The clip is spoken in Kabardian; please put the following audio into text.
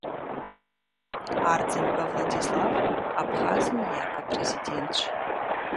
Ардзынбэ Владислав Абхъазым и япэ Президентщ.